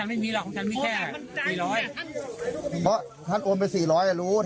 อ๋ออ่านโอนไป๔๐๐อ่ะรู้อ่านโอนไป๔๐๐อ่ะรู้